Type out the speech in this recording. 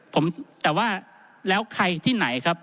ผมแต่ว่าแล้วใครที่ไหนครับ